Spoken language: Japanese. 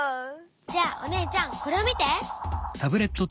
じゃあお姉ちゃんこれを見て！